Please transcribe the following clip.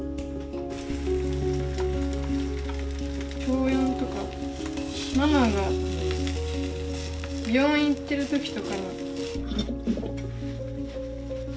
小４とかママが病院行ってる時とかに。